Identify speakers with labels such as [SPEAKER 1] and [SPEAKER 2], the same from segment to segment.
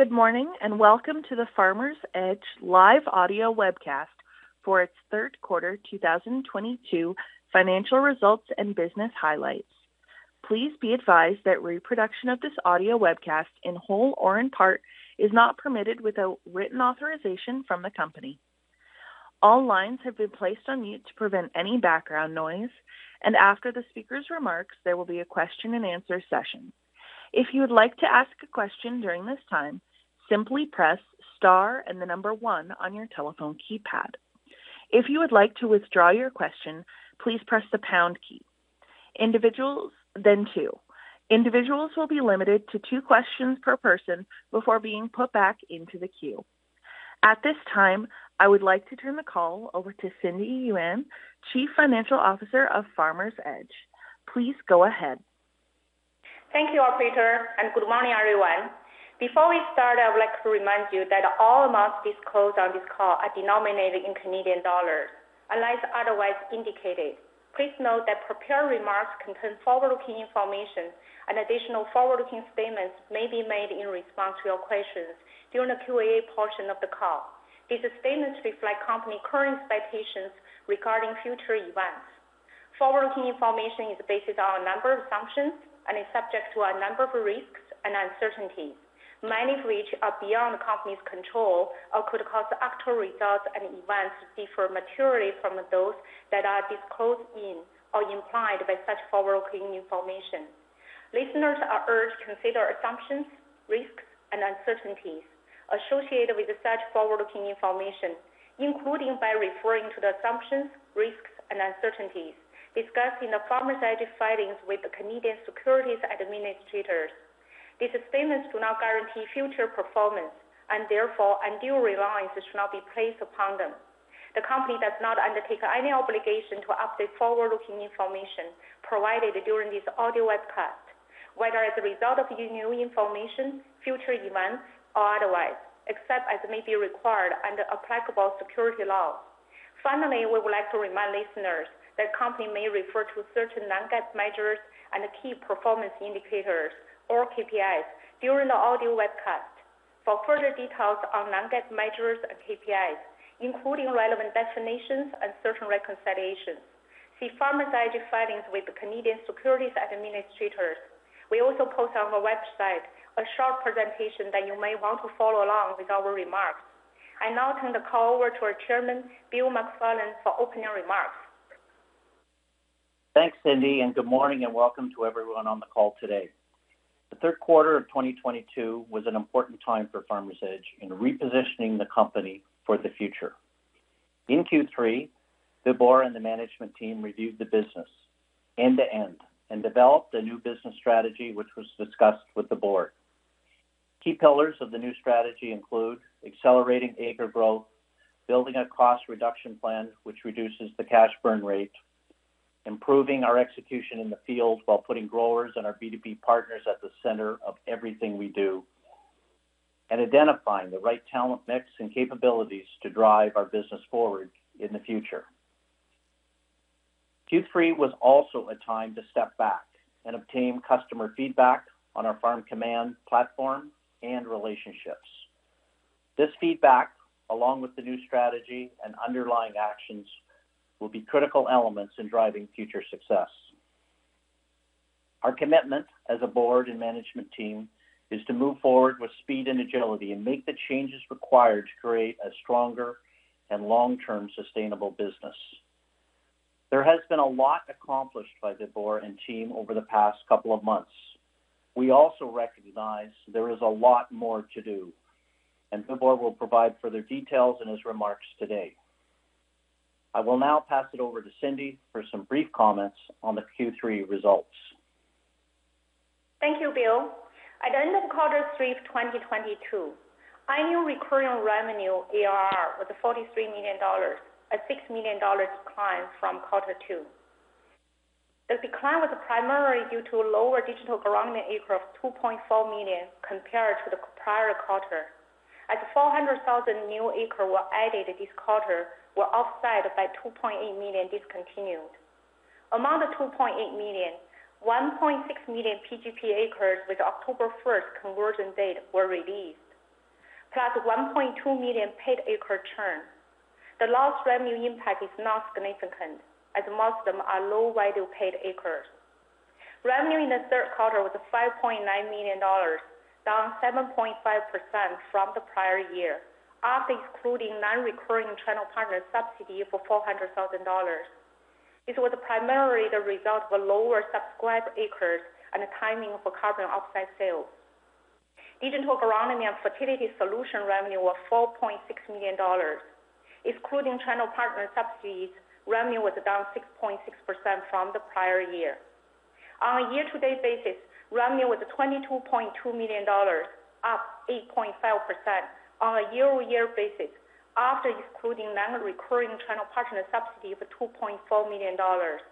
[SPEAKER 1] Good morning, and welcome to the Farmers Edge live audio webcast for its third quarter 2022 financial results and business highlights. Please be advised that reproduction of this audio webcast, in whole or in part, is not permitted without written authorization from the company. All lines have been placed on mute to prevent any background noise. After the speaker's remarks, there will be a question-and-answer session. If you would like to ask a question during this time, simply press star and the number one on your telephone keypad. If you would like to withdraw your question, please press the pound key. Individuals will be limited to two questions per person before being put back into the queue. At this time, I would like to turn the call over to Cindy Yuan, Chief Financial Officer of Farmers Edge. Please go ahead.
[SPEAKER 2] Thank you, operator, and good morning, everyone. Before we start, I would like to remind you that all amounts disclosed on this call are denominated in Canadian dollars, unless otherwise indicated. Please note that prepared remarks contain forward-looking information, and additional forward-looking statements may be made in response to your questions during the Q&A portion of the call. These statements reflect the company's current expectations regarding future events. Forward-looking information is based on a number of assumptions and is subject to a number of risks and uncertainties, many of which are beyond the company's control or could cause actual results and events to differ materially from those that are disclosed in or implied by such forward-looking information. Listeners are urged to consider assumptions, risks, and uncertainties associated with such forward-looking information, including by referring to the assumptions, risks, and uncertainties discussed in the Farmers Edge filings with the Canadian Securities Administrators. These statements do not guarantee future performance, and therefore, undue reliance should not be placed upon them. The company does not undertake any obligation to update forward-looking information provided during this audio webcast, whether as a result of new information, future events, or otherwise, except as may be required under applicable securities laws. Finally, we would like to remind listeners that the company may refer to certain non-GAAP measures and key performance indicators or KPIs during the audio webcast. For further details on non-GAAP measures and KPIs, including relevant definitions and certain reconciliations, see Farmers Edge filings with the Canadian Securities Administrators. We also post on our website a short presentation that you may want to follow along with our remarks. I now turn the call over to our Chairman Bill McFarland for opening remarks.
[SPEAKER 3] Thanks, Cindy, and good morning and welcome to everyone on the call today. The third quarter of 2022 was an important time for Farmers Edge in repositioning the company for the future. In Q3, Vibhore and the management team reviewed the business end to end, and developed a new business strategy, which was discussed with the board. Key pillars of the new strategy include accelerating acre growth, building a cost reduction plan which reduces the cash burn rate, improving our execution in the field while putting growers and our B2B partners at the center of everything we do, and identifying the right talent mix and capabilities to drive our business forward in the future. Q3 was also a time to step back and obtain customer feedback on our FarmCommand platform and relationships. This feedback, along with the new strategy and underlying actions, will be critical elements in driving future success. Our commitment as a board and management team is to move forward with speed and agility and make the changes required to create a stronger and long-term sustainable business. There has been a lot accomplished by Vibhore and team over the past couple of months. We also recognize there is a lot more to do, and Vibhore will provide further details in his remarks today. I will now pass it over to Cindy for some brief comments on the Q3 results.
[SPEAKER 2] Thank you, Bill. At the end of quarter three of 2022, annual recurring revenue, ARR, was 43 million dollars, a 6 million dollar decline from quarter two. The decline was primarily due to lower digital agronomy acres of 2.4 million compared to the prior quarter, as 400,000 new acres were added this quarter were offset by 2.8 million discontinued. Among the 2.8 million, 1.6 million PGP acres with October first conversion date were released, +1.2 million paid acres churn. The lost revenue impact is not significant, as most of them are low-value paid acres. Revenue in the third quarter was 5.9 million dollars, down 7.5% from the prior year, after excluding non-recurring channel partner subsidy for 400,000 dollars. This was primarily the result of lower subscriber acres and timing for carbon offset sales. Digital Agronomy and fertility solution revenue was 4.6 million dollars. Excluding channel partner subsidies, revenue was down 6.6% from the prior year. On a year-to-date basis, revenue was 22.2 million dollars, up 8.5% on a year-over-year basis after excluding non-recurring channel partner subsidy of 2.4 million dollars.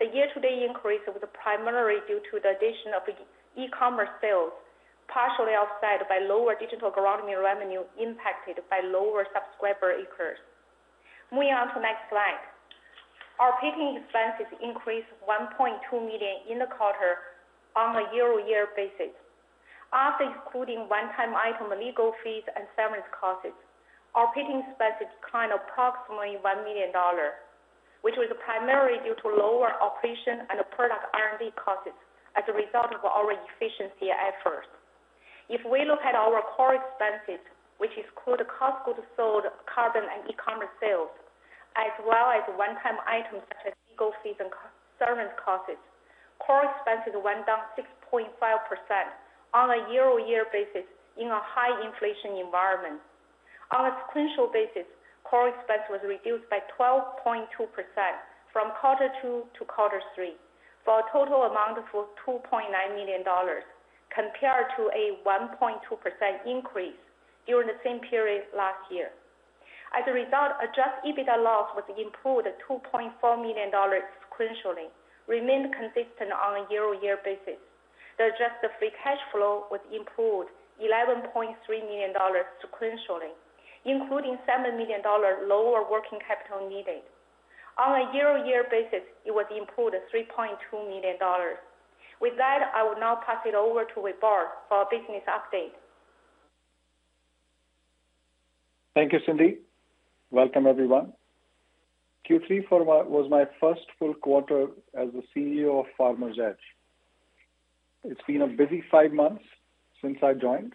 [SPEAKER 2] The year-to-date increase was primarily due to the addition of e-commerce sales, partially offset by lower digital agronomy revenue impacted by lower subscriber acres. Moving on to next slide. Our operating expenses increased 1.2 million in the quarter on a year-over-year basis. After excluding one-time item legal fees and severance costs, our operating expenses declined approximately CAD 1 million, which was primarily due to lower operational and product R&D costs as a result of our efficiency efforts. If we look at our core expenses, which exclude cost of goods sold, carbon, and e-commerce sales, as well as one-time items such as legal fees and severance costs, core expenses went down 6.5% on a year-over-year basis in a high inflation environment. On a sequential basis, core expense was reduced by 12.2% from quarter two to quarter three for a total amount of 2.9 million dollars compared to a 1.2% increase during the same period last year. As a result, adjusted EBITDA loss was improved 2.4 million dollars sequentially, remained consistent on a year-over-year basis. The adjusted free cash flow was improved 11.3 million dollars sequentially, including 7 million dollars lower working capital needed. On a year-over-year basis, it was improved 3.2 million dollars. With that, I will now pass it over to Vibhore for our business update.
[SPEAKER 4] Thank you, Cindy. Welcome everyone. Q3 was my first full quarter as the CEO of Farmers Edge. It's been a busy five months since I joined.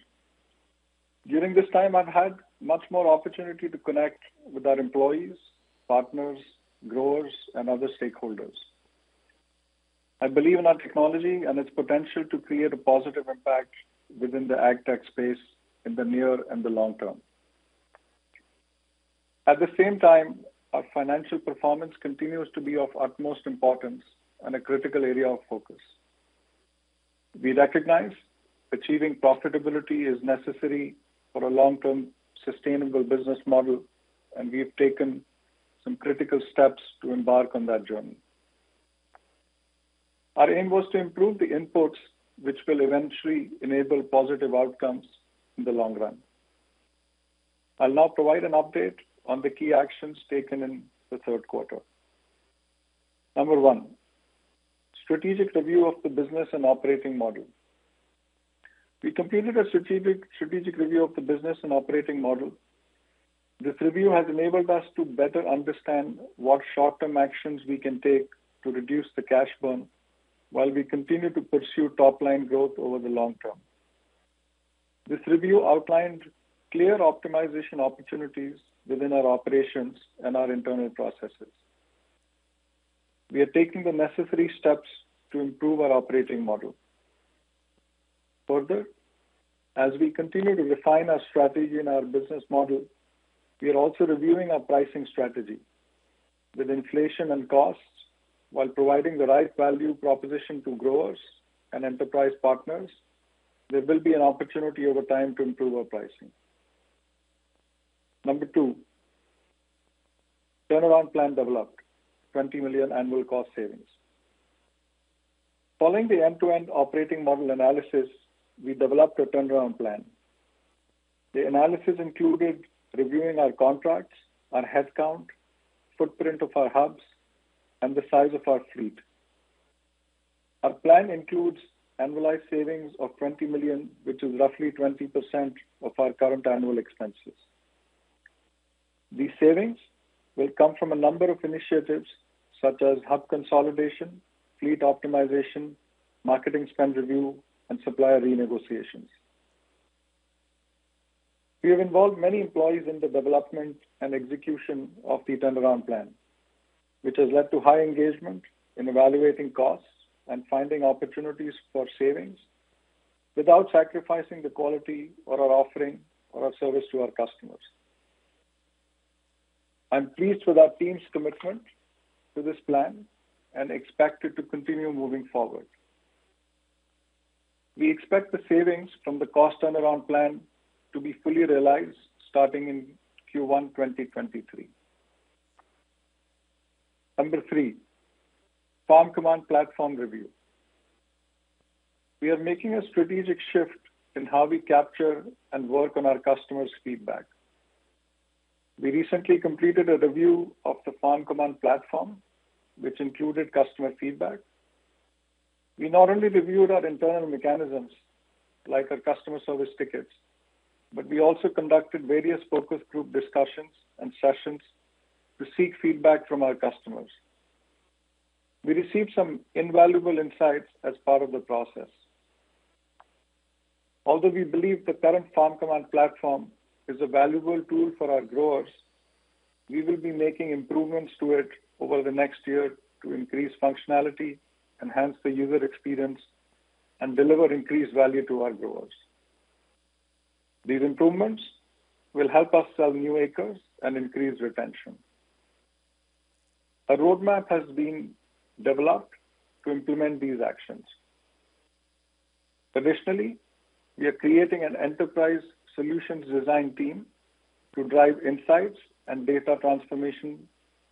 [SPEAKER 4] During this time, I've had much more opportunity to connect with our employees, partners, growers, and other stakeholders. I believe in our technology and its potential to create a positive impact within the AgTech space in the near and the long term. At the same time, our financial performance continues to be of utmost importance and a critical area of focus. We recognize achieving profitability is necessary for a long-term sustainable business model, and we have taken some critical steps to embark on that journey. Our aim was to improve the inputs, which will eventually enable positive outcomes in the long run. I'll now provide an update on the key actions taken in the third quarter. Number one, strategic review of the business and operating model. We completed a strategic review of the business and operating model. This review has enabled us to better understand what short-term actions we can take to reduce the cash burn while we continue to pursue top-line growth over the long term. This review outlined clear optimization opportunities within our operations and our internal processes. We are taking the necessary steps to improve our operating model. Further, as we continue to refine our strategy and our business model, we are also reviewing our pricing strategy. With inflation and costs, while providing the right value proposition to growers and enterprise partners, there will be an opportunity over time to improve our pricing. Number two, turnaround plan developed, 20 million annual cost savings. Following the end-to-end operating model analysis, we developed a turnaround plan. The analysis included reviewing our contracts, our headcount, footprint of our hubs, and the size of our fleet. Our plan includes annualized savings of 20 million, which is roughly 20% of our current annual expenses. These savings will come from a number of initiatives such as hub consolidation, fleet optimization, marketing spend review, and supplier renegotiations. We have involved many employees in the development and execution of the turnaround plan, which has led to high engagement in evaluating costs and finding opportunities for savings without sacrificing the quality or our offering or our service to our customers. I'm pleased with our team's commitment to this plan and expect it to continue moving forward. We expect the savings from the cost turnaround plan to be fully realized starting in Q1 2023. Number three, FarmCommand platform review. We are making a strategic shift in how we capture and work on our customers' feedback. We recently completed a review of the FarmCommand platform, which included customer feedback. We not only reviewed our internal mechanisms, like our customer service tickets, but we also conducted various focus group discussions and sessions to seek feedback from our customers. We received some invaluable insights as part of the process. Although we believe the current FarmCommand platform is a valuable tool for our growers, we will be making improvements to it over the next year to increase functionality, enhance the user experience, and deliver increased value to our growers. These improvements will help us sell new acres and increase retention. A roadmap has been developed to implement these actions. Additionally, we are creating an enterprise solutions design team to drive insights and data transformation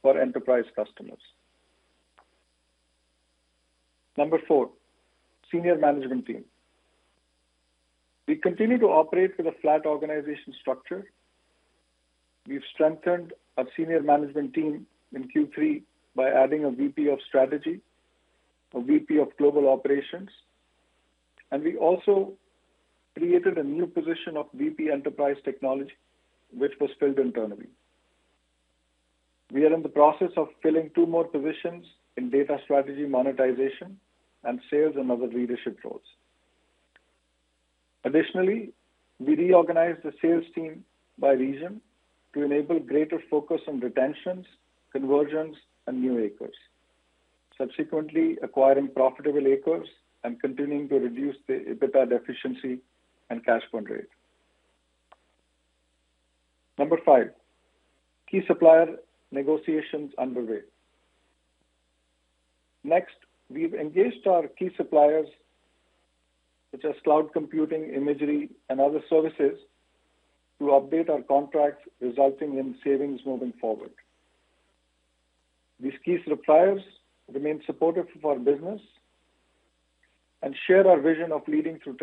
[SPEAKER 4] for enterprise customers. Number four, senior management team. We continue to operate with a flat organization structure. We've strengthened our senior management team in Q3 by adding a VP of Strategy, a VP of Global Operations, and we also created a new position of VP Enterprise Technology, which was filled internally. We are in the process of filling two more positions in data strategy monetization and sales and other leadership roles. Additionally, we reorganized the sales team by region to enable greater focus on retentions, conversions, and new acres, subsequently acquiring profitable acres and continuing to reduce the EBITDA deficiency and cash burn rate. Number five. Key supplier negotiations underway. Next, we've engaged our key suppliers, such as cloud computing, imagery, and other services to update our contracts, resulting in savings moving forward. These key suppliers remain supportive of our business and share our vision of leading through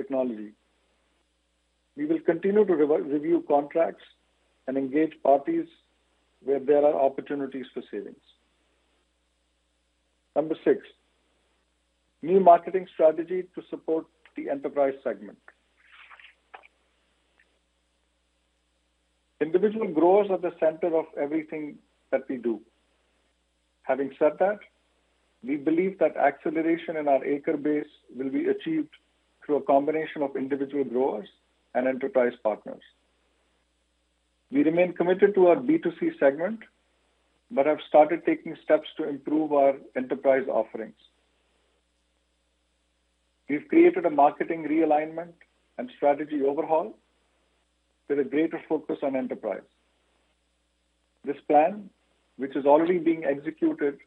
[SPEAKER 4] technology. We will continue to review contracts and engage parties where there are opportunities for savings. Number six, new marketing strategy to support the enterprise segment. Individual growers are the center of everything that we do. Having said that, we believe that acceleration in our acre base will be achieved through a combination of individual growers and enterprise partners. We remain committed to our B2C segment, but have started taking steps to improve our enterprise offerings. We've created a marketing realignment and strategy overhaul with a greater focus on enterprise. This plan, which is already being executed,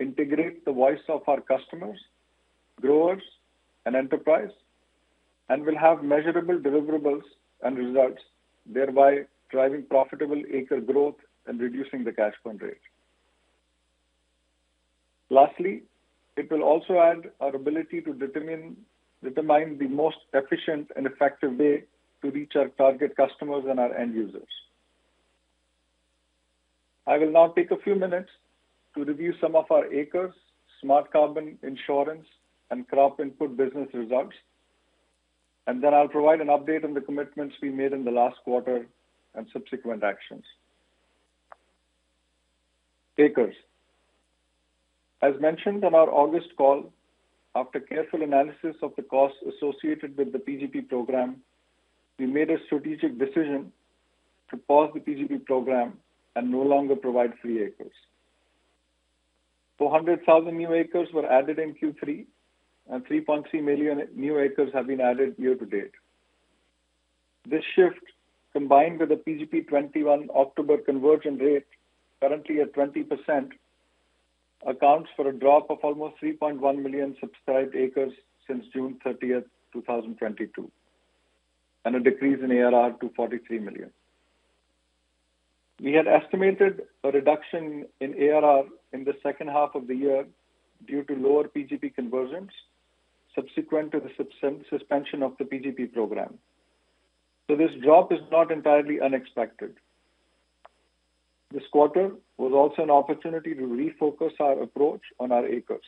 [SPEAKER 4] integrates the voice of our customers, growers, and enterprise, and will have measurable deliverables and results, thereby driving profitable acre growth and reducing the cash burn rate. Lastly, it will also add our ability to determine the most efficient and effective way to reach our target customers and our end users. I will now take a few minutes to review some of our acres, Smart Carbon insurance, and crop input business results, and then I'll provide an update on the commitments we made in the last quarter and subsequent actions. Acres. As mentioned on our August call, after careful analysis of the costs associated with the PGP program, we made a strategic decision to pause the PGP program and no longer provide free acres. 400,000 new acres were added in Q3, and 3.3 million new acres have been added year to date. This shift, combined with the PGP 2021 October conversion rate currently at 20%, accounts for a drop of almost 3.1 million subscribed acres since June 30, 2022, and a decrease in ARR to 43 million. We had estimated a reduction in ARR in the second half of the year due to lower PGP conversions subsequent to the suspension of the PGP program. This drop is not entirely unexpected. This quarter was also an opportunity to refocus our approach on our acres.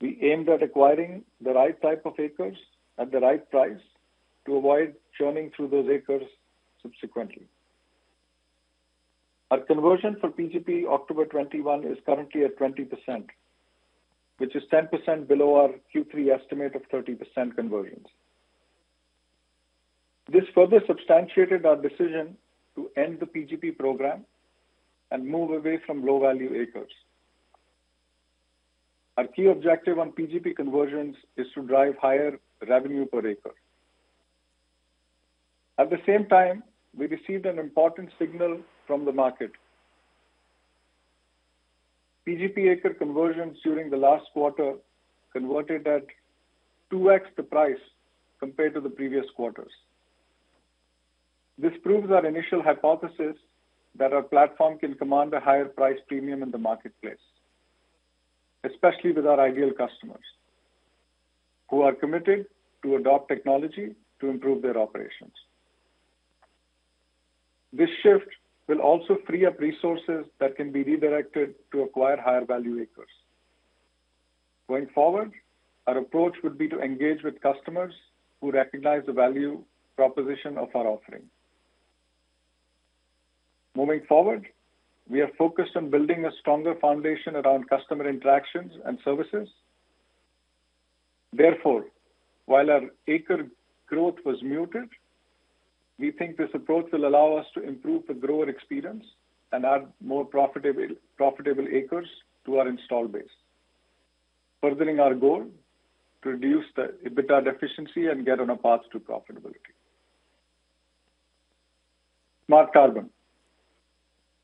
[SPEAKER 4] We aimed at acquiring the right type of acres at the right price to avoid churning through those acres subsequently. Our conversion for PGP October 2021 is currently at 20%, which is 10% below our Q3 estimate of 30% conversions. This further substantiated our decision to end the PGP program and move away from low-value acres. Our key objective on PGP conversions is to drive higher revenue per acre. At the same time, we received an important signal from the market. PGP acre conversions during the last quarter converted at 2x the price compared to the previous quarters. This proves our initial hypothesis that our platform can command a higher price premium in the marketplace, especially with our ideal customers who are committed to adopt technology to improve their operations. This shift will also free up resources that can be redirected to acquire higher value acres. Going forward, our approach would be to engage with customers who recognize the value proposition of our offering. Moving forward, we are focused on building a stronger foundation around customer interactions and services. Therefore, while our acre growth was muted, we think this approach will allow us to improve the grower experience and add more profitable acres to our installed base, furthering our goal to reduce the EBITDA deficiency and get on a path to profitability. Smart Carbon.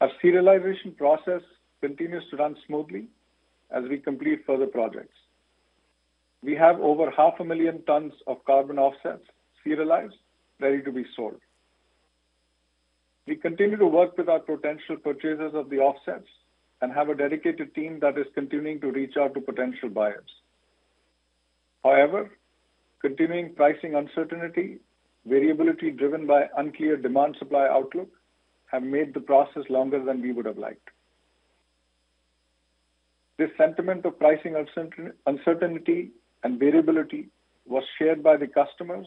[SPEAKER 4] Our sequestration process continues to run smoothly as we complete further projects. We have over 500,000 tons of carbon offsets serialized, ready to be sold. We continue to work with our potential purchasers of the offsets and have a dedicated team that is continuing to reach out to potential buyers. However, continuing pricing uncertainty, variability driven by unclear demand-supply outlook have made the process longer than we would have liked. This sentiment of pricing uncertainty and variability was shared by the customers,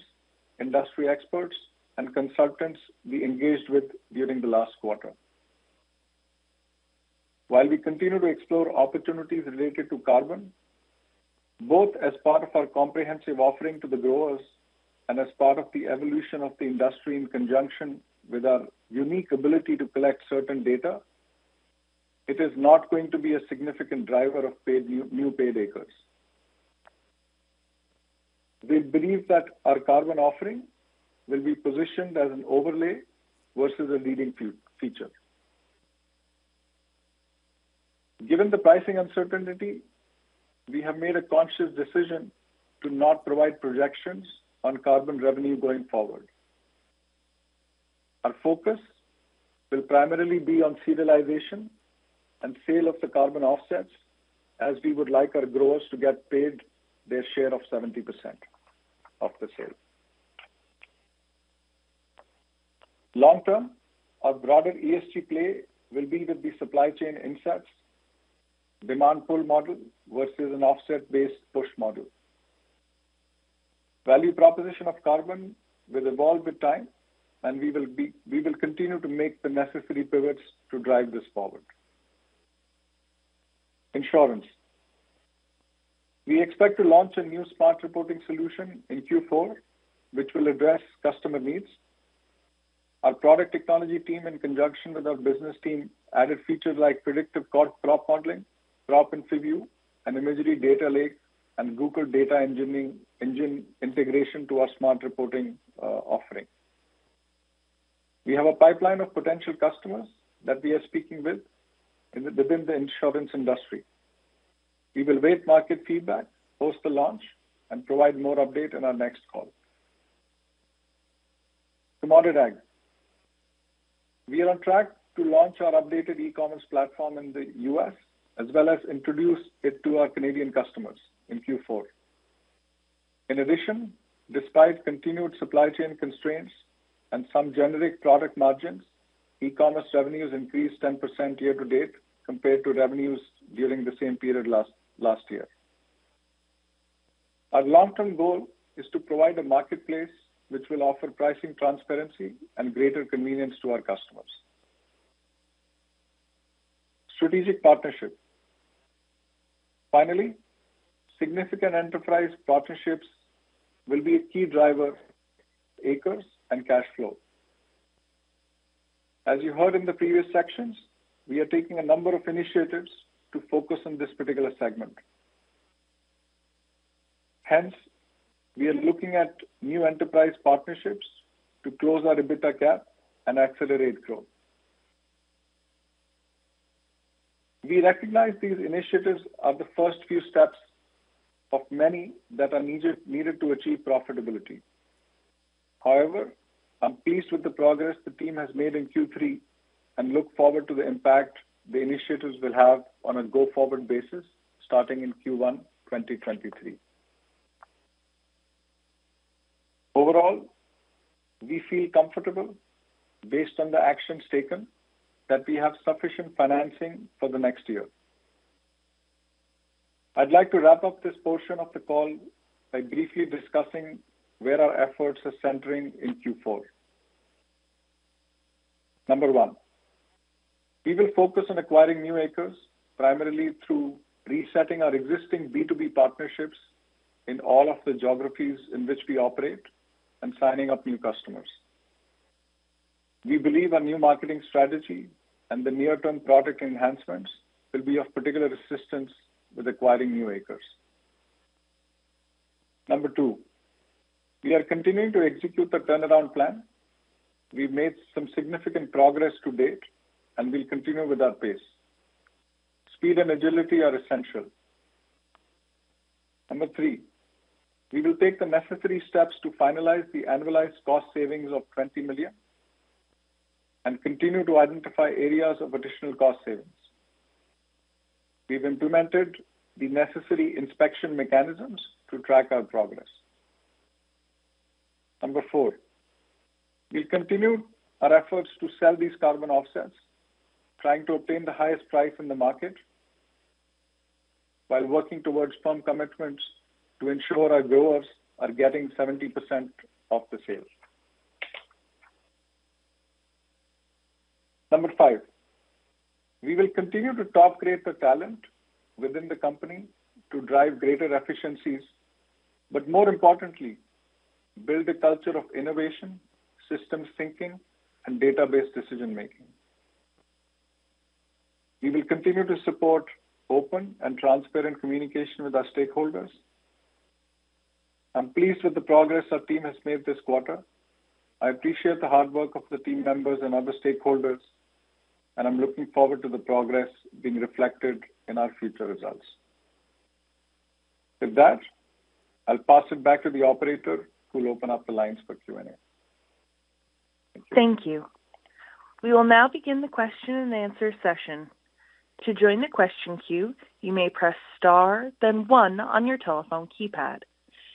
[SPEAKER 4] industry experts, and consultants we engaged with during the last quarter. While we continue to explore opportunities related to carbon, both as part of our comprehensive offering to the growers and as part of the evolution of the industry in conjunction with our unique ability to collect certain data, it is not going to be a significant driver of new paid acres. We believe that our carbon offering will be positioned as an overlay versus a leading feature. Given the pricing uncertainty, we have made a conscious decision to not provide projections on carbon revenue going forward. Our focus will primarily be on serialization, and sale of the carbon offsets, as we would like our growers to get paid their share of 70% of the sale. Long term, our broader ESG play will be with the supply chain insights, demand pull model versus an offset-based push model. Value proposition of carbon will evolve with time, and we will continue to make the necessary pivots to drive this forward. Insurance. We expect to launch a new Smart Reporting solution in Q4 which will address customer needs. Our product technology team, in conjunction with our business team, added features like predictive co-crop modeling, crop info view, an imagery data lake, and Google Manufacturing Data Engine integration to our Smart Reporting offering. We have a pipeline of potential customers that we are speaking with within the insurance industry. We will await market feedback, post the launch, and provide more update in our next call. Commodity agriculture. We are on track to launch our updated e-commerce platform in the U.S., as well as introduce it to our Canadian customers in Q4. In addition, despite continued supply chain constraints and some generic product margins, e-commerce revenues increased 10% year to date compared to revenues during the same period last year. Our long-term goal is to provide a marketplace which will offer pricing transparency and greater convenience to our customers. Strategic partnerships. Finally, significant enterprise partnerships will be a key driver to acres and cash flow. As you heard in the previous sections, we are taking a number of initiatives to focus on this particular segment. Hence, we are looking at new enterprise partnerships to close our EBITDA gap and accelerate growth. We recognize these initiatives are the first few steps of many that are needed to achieve profitability. However, I'm pleased with the progress the team has made in Q3, and look forward to the impact the initiatives will have on a go-forward basis starting in Q1 2023. Overall, we feel comfortable based on the actions taken that we have sufficient financing for the next year. I'd like to wrap up this portion of the call by briefly discussing where our efforts are centering in Q4. Number one, we will focus on acquiring new acres, primarily through resetting our existing B2B partnerships in all of the geographies in which we operate and signing up new customers. We believe our new marketing strategy and the near-term product enhancements will be of particular assistance with acquiring new acres. Number two, we are continuing to execute the turnaround plan. We've made some significant progress to date, and we'll continue with our pace. Speed and agility are essential. Number three, we will take the necessary steps to finalize the annualized cost savings of 20 million and continue to identify areas of additional cost savings. We've implemented the necessary inspection mechanisms to track our progress. Number four, we'll continue our efforts to sell these carbon offsets, trying to obtain the highest price in the market while working towards firm commitments to ensure our growers are getting 70% of the sales. Number 5, we will continue to top grade the talent within the company to drive greater efficiencies, but more importantly, build a culture of innovation, systems thinking, and data-based decision-making. We will continue to support open and transparent communication with our stakeholders. I'm pleased with the progress our team has made this quarter. I appreciate the hard work of the team members and other stakeholders, and I'm looking forward to the progress being reflected in our future results. With that, I'll pass it back to the operator who will open up the lines for Q&A.
[SPEAKER 1] Thank you. We will now begin the question and answer session. To join the question queue, you may press star then one on your telephone keypad.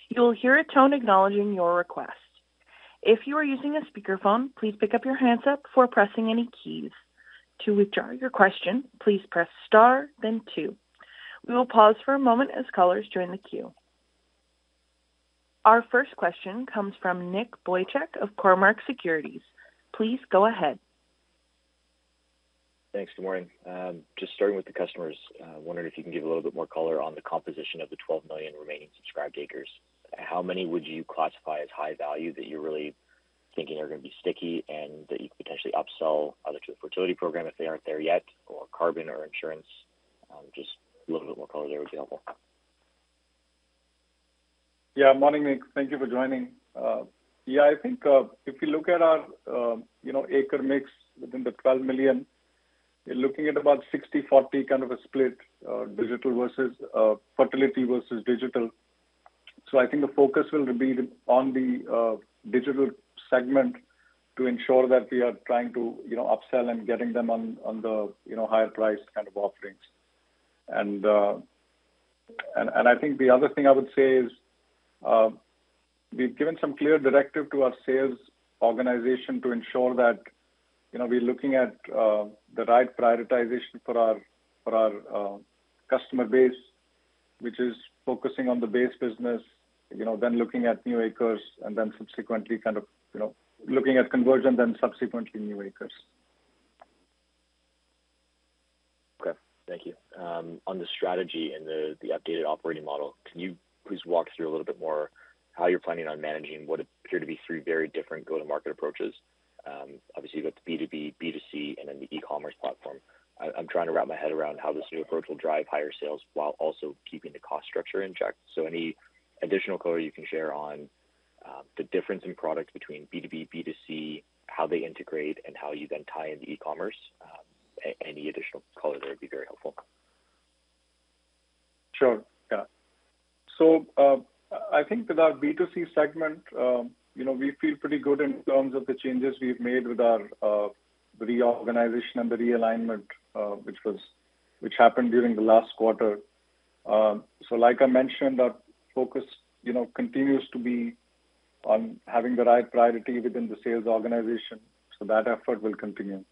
[SPEAKER 1] You will hear a tone acknowledging your request. If you are using a speakerphone, please pick up your handset before pressing any keys. To withdraw your question, please press star then two. We will pause for a moment as callers join the queue. Our first question comes from Nick Boychuk of Cormark Securities. Please go ahead.
[SPEAKER 5] Thanks. Good morning. Just starting with the customers, wondering if you can give a little bit more color on the composition of the 12 million remaining subscribed acres. How many would you classify as high value that you're really thinking are gonna be sticky, and that you could potentially upsell either to a fertility program if they aren't there yet, or carbon or insurance? Just a little bit more color there would be helpful.
[SPEAKER 4] Yeah. Morning, Nick. Thank you for joining. Yeah, I think, if you look at our, you know, acre mix within the 12 million, you're looking at about 60/40 kind of a split, digital versus, fertility versus digital. I think the focus will be on the, digital segment to ensure that we are trying to, you know, upsell and getting them on the, you know, higher priced kind of offerings. I think the other thing I would say is, we've given some clear directive to our sales organization to ensure that we're looking at, the right prioritization for our, customer base, which is focusing on the base business, you know, then looking at new acres and then subsequently kind of, you know, looking at conversion, then subsequently new acres.
[SPEAKER 5] Okay. Thank you. On the strategy and the updated operating model, can you please walk through a little bit more how you're planning on managing what appear to be three very different go-to-market approaches? Obviously you've got the B2B, B2C, and then the e-commerce platform. I'm trying to wrap my head around how this new approach will drive higher sales while also keeping the cost structure in check. Any additional color you can share on the difference in product between B2B, B2C, how they integrate and how you then tie into e-commerce, any additional color there would be very helpful.
[SPEAKER 4] Sure. Yeah, I think with our B2C segment, you know, we feel pretty good in terms of the changes we've made with our reorganization and the realignment, which happened during the last quarter. Like I mentioned, our focus, you know, continues to be on having the right priority within the sales organization, so that effort will continue.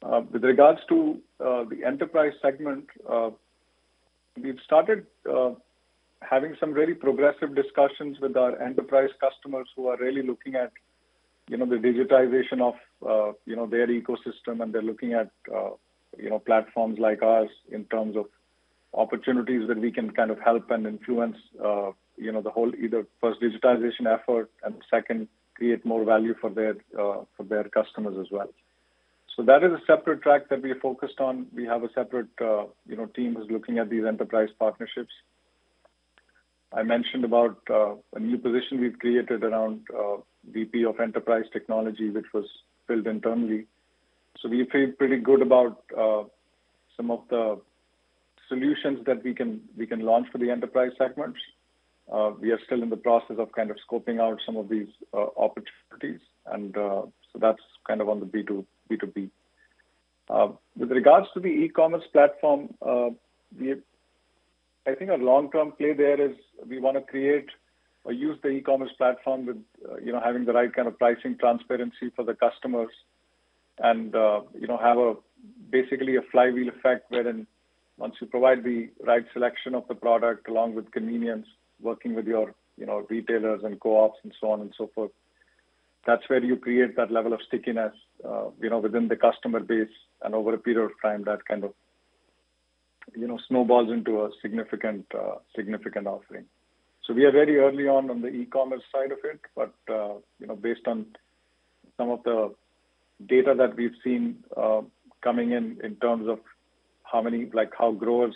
[SPEAKER 4] With regards to the enterprise segment, we've started having some very progressive discussions with our enterprise customers who are really looking at, you know, the digitization of, you know, their ecosystem, and they're looking at, you know, platforms like ours in terms of opportunities that we can kind of help and influence, you know, the whole either first digitization effort and second, create more value for their customers as well. That is a separate track that we are focused on. We have a separate, you know, team who's looking at these enterprise partnerships. I mentioned about a new position we've created around VP Enterprise Technology, which was filled internally. We feel pretty good about some of the solutions that we can launch for the enterprise segments. We are still in the process of kind of scoping out some of these opportunities, and so that's kind of on the B2B. With regards to the e-commerce platform, I think our long-term play there is we wanna create or use the e-commerce platform with, you know, having the right kind of pricing transparency for the customers and, you know, have a basically a flywheel effect wherein once you provide the right selection of the product along with convenience, working with your, you know, retailers and co-ops and so on and so forth, that's where you create that level of stickiness, you know, within the customer base and over a period of time, that kind of snowballs into a significant offering. We are very early on the e-commerce side of it, but, you know, based on some of the data that we've seen, coming in terms of how growers'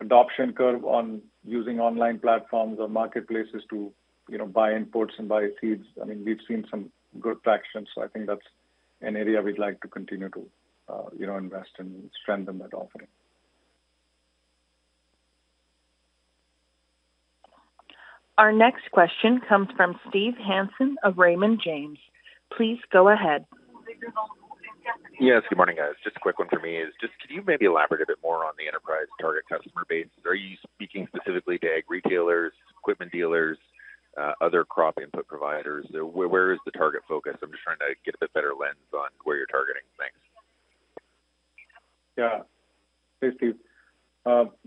[SPEAKER 4] adoption curve on using online platforms, or marketplaces to, you know, buy inputs and buy seeds. I mean, we've seen some good traction. I think that's an area we'd like to continue to, you know, invest and strengthen that offering.
[SPEAKER 1] Our next question comes from Steve Hansen of Raymond James. Please go ahead.
[SPEAKER 6] Yes. Good morning, guys. Just a quick one for me is just could you maybe elaborate a bit more on the enterprise target customer base? Are you speaking specifically to ag retailers, equipment dealers, other crop input providers? Where is the target focus? I'm just trying to get a bit better lens on where you're targeting. Thanks.
[SPEAKER 4] Yeah. Hey, Steve.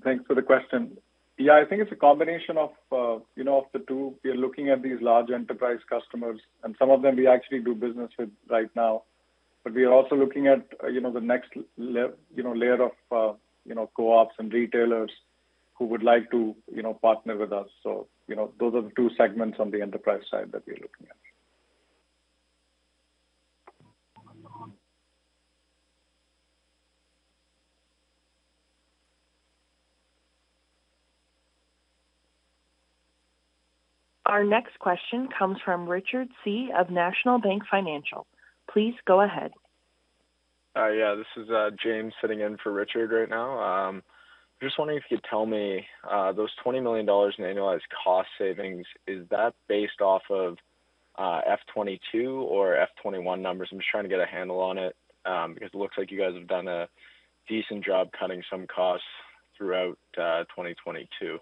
[SPEAKER 4] Thanks for the question. Yeah. I think it's a combination the two. We are looking at these large enterprise customers and some of them we actually do business with right now, but we are also looking at the next layer of co-ops and retailers who would like to partner with us. Those are the two segments on the enterprise side that we are looking at.
[SPEAKER 1] Our next question comes from Richard Tse of National Bank Financial. Please go ahead.
[SPEAKER 7] Yeah, this is James sitting in for Richard right now. Just wondering if you could tell me those 20 million dollars in annualized cost savings, is that based off of FY2022 or FY2021 numbers? I'm just trying to get a handle on it because it looks like you guys have done a decent job cutting some costs throughout 2022.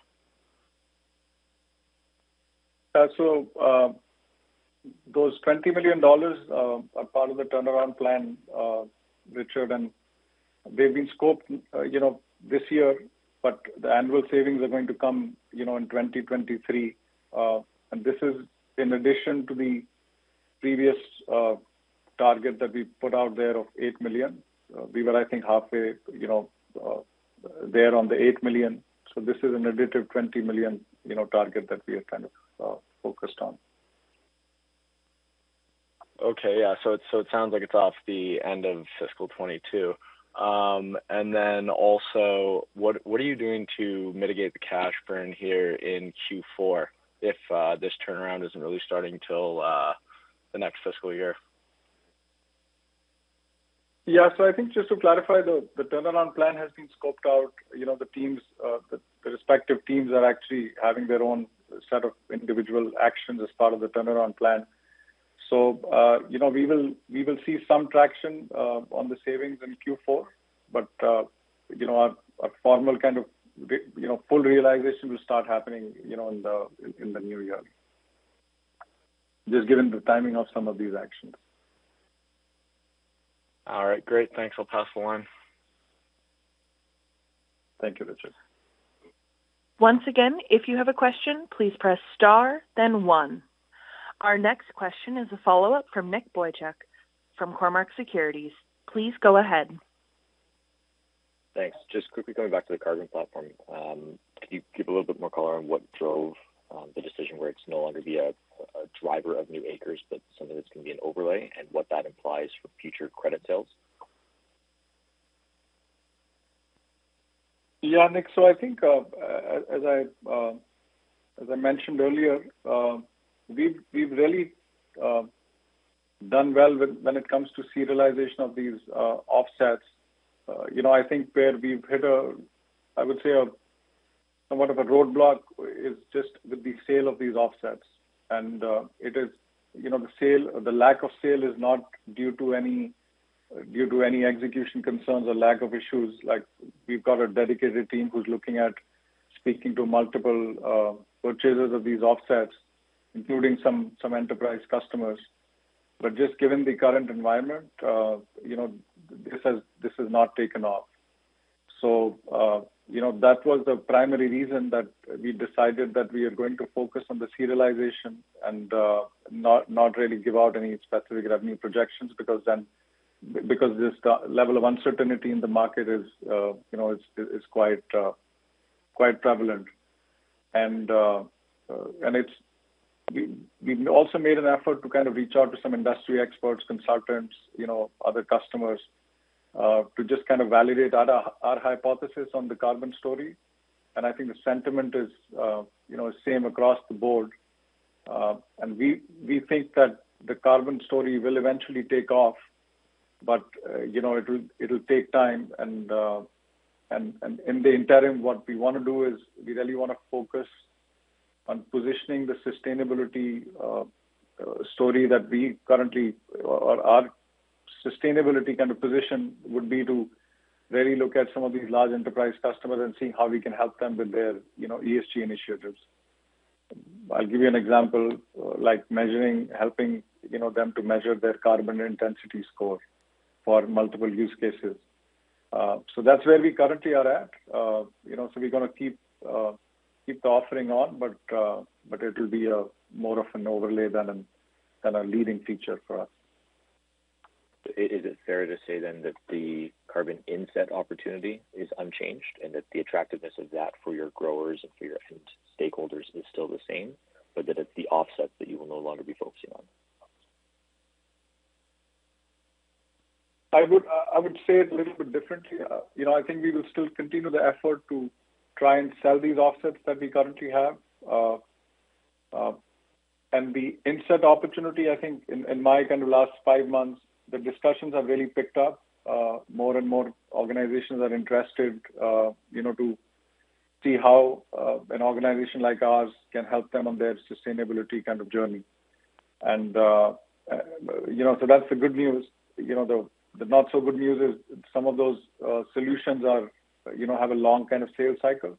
[SPEAKER 4] Those CAD 20 million are part of the turnaround plan, James, and they've been scoped, you know, this year, but the annual savings are going to come, you know, in 2023. This is in addition to the previous target that we put out there of 8 million. We were, I think, halfway there on the 8 million. This is an additive 20 million target that we are kind of focused on.
[SPEAKER 7] Yeah. It sounds like it's as of the end of fiscal 2022. Also, what are you doing to mitigate the cash burn here in Q4 if this turnaround isn't really starting till the next fiscal year?
[SPEAKER 4] I think just to clarify, the turnaround plan has been scoped out. The teams, the respective teams are actually having their own set of individual actions as part of the turnaround plan. We will see some traction on the savings in Q4, but formal kind of full realization will start happening in the new year, just given the timing of some of these actions.
[SPEAKER 7] All right. Great. Thanks. I'll pass the line.
[SPEAKER 4] Thank you, James.
[SPEAKER 1] Once again, if you have a question, please press star then one. Our next question is a follow-up from Nick Boychuk from Cormark Securities. Please go ahead.
[SPEAKER 5] Thanks. Just quickly going back to the carbon platform. Can you give a little bit more color on what drove the decision where it's no longer be a driver of new acres, but some of it's gonna be an overlay and what that implies for future credit sales?
[SPEAKER 4] Yeah, Nick. I think, as I mentioned earlier, we've really done well when it comes to serialization of these offsets. I think where we've hit a, I would say, somewhat of a roadblock is just with the sale of these offsets. It is, you know, the lack of sale is not due to any execution concerns or lack of issues. Like, we've got a dedicated team who's looking at speaking to multiple purchasers of these offsets, including some enterprise customers. Just given the current environment, this has not taken off. That was the primary reason that we decided that we are going to focus on the serialization and not really give out any specific revenue projections because this level of uncertainty in the market is, you know, it's quite prevalent. We also made an effort to kind of reach out to some industry experts, consultants, you know, other customers to just kind of validate our hypothesis on the carbon story. I think the sentiment is same across the board. We think that the carbon story will eventually take off, but it'll take time and in the interim, what we wanna do is we really wanna focus on positioning the sustainability story that we currently or our sustainability kind of position would be to really look at some of these large enterprise customers and see how we can help them with their, you know, ESG initiatives. I'll give you an example, like helping, you know, them to measure their carbon intensity score for multiple use cases. That's where we currently are at. You know, if we gonna keep the offering on, but it'll be more of an overlay than a leading feature for us.
[SPEAKER 5] Is it fair to say then that the carbon inset opportunity is unchanged and that the attractiveness of that for your growers and for your stakeholders is still the same, but that it's the offset that you will no longer be focusing on?
[SPEAKER 4] I would say it a little bit differently. You know, I think we will still continue the effort to try and sell these offsets that we currently have. The inset opportunity, I think in my kind of last five months, the discussions have really picked up. More and more organizations are interested, you know, to see how an organization like ours can help them on their sustainability kind of journey. That's the good news. You know, the not so good news is some of those solutions are, you know, have a long kind of sales cycle.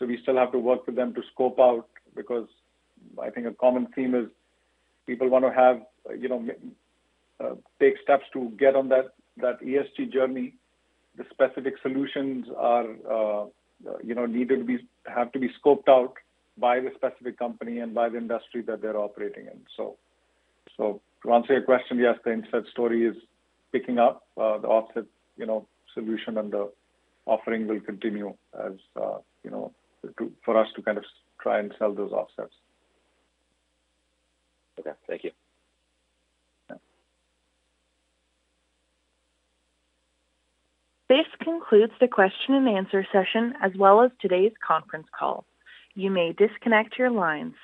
[SPEAKER 4] We still have to work with them to scope out because I think a common theme is people wanna have, you know, take steps to get on that ESG journey. The specific solutions are, you know, have to be scoped out by the specific company and by the industry that they're operating in. To answer your question, yes, the inset story is picking up the offset, you know, solution and the offering will continue for us to kind of try and sell those offsets.
[SPEAKER 5] Okay. Thank you.
[SPEAKER 4] Yeah.
[SPEAKER 1] This concludes the question and answer session as well as today's conference call. You may disconnect your lines.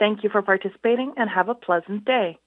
[SPEAKER 1] Thank you for participating, and have a pleasant day.